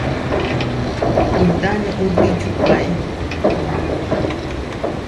Kuitá nuʼuti čuʼwaé.